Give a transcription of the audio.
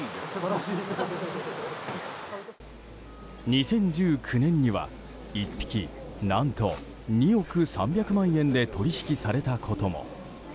２０１９年には１匹、何と２億３００万円で取引されたことも。